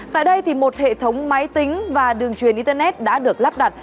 tại đây một hệ thống máy tính và đường truyền internet đã được lắp đặt